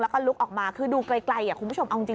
แล้วก็ลุกออกมาคือดูไกลคุณผู้ชมเอาจริง